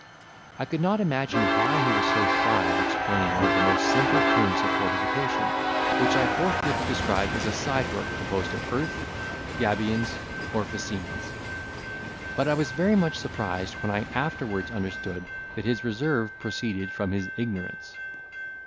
I could not imagine why he was so shy of explaining one of the most simple terms of fortification, which I forthwith described as a side work composed of earth, gabions, or fascines; but I was very much surprised when I afterwards understood that his reserve proceeded from his ignorance.